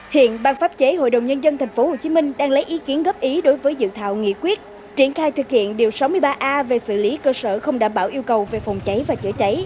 hiện ban pháp chế hội đồng nhân dân tp hcm đang lấy ý kiến góp ý đối với dự thảo nghị quyết triển khai thực hiện điều sáu mươi ba a về xử lý cơ sở không đảm bảo yêu cầu về phòng cháy và chữa cháy